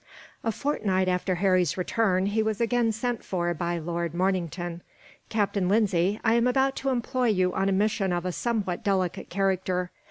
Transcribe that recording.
A Fortnight after Harry's return, he was again sent for by Lord Mornington. "Captain Lindsay, I am about to employ you on a mission of a somewhat delicate character.